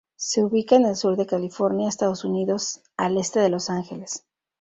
Se ubica en el sur de California, Estados Unidos, al este de Los Ángeles.